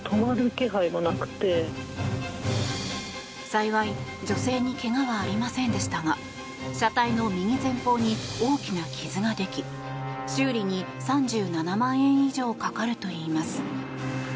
幸い、女性にけがはありませんでしたが車体の右前方に大きな傷ができ修理に３７万円以上かかるといいます。